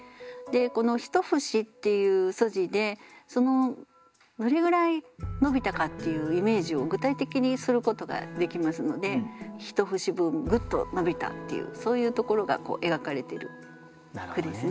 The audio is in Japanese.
この「一節」っていうどれぐらい伸びたかっていうイメージを具体的にすることができますので一節分グッと伸びたっていうそういうところが描かれている句ですね。